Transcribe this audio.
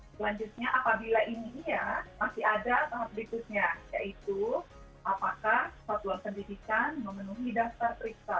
selanjutnya apabila ini iya masih ada komitusnya yaitu apakah satuan pendidikan memenuhi dasar periksa